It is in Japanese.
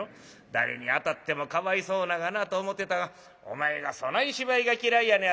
誰に当たってもかわいそうながなと思ってたがお前がそない芝居が嫌いやね